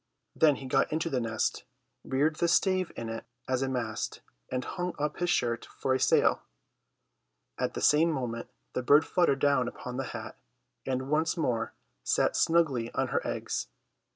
Then he got into the nest, reared the stave in it as a mast, and hung up his shirt for a sail. At the same moment the bird fluttered down upon the hat and once more sat snugly on her eggs.